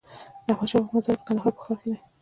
د احمدشاهبابا مزار د کندهار په ښار کی دی